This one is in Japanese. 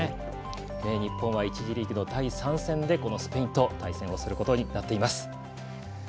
日本は１次リーグの第３戦でスペインと対戦することになっています。